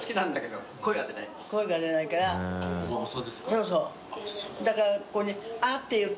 そうそう。